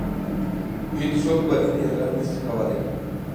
هیڅوک پر هند یرغل نه شي کولای.